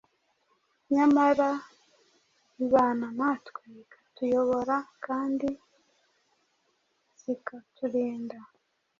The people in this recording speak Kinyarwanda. nyamara ibana natwe, ikatuyobora kandi zikaturinda.